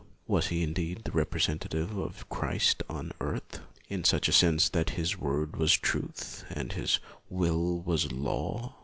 Was he indeed the representative of Christ on earth, in such a sense that his word was truth, and his will was law?